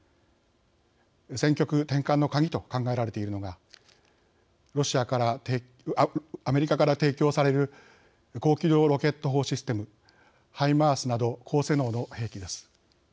戦局転換の鍵と考えられているのがアメリカから提供される高機動ロケット砲システムＨＩＭＡＲＳなど高性能の兵器です。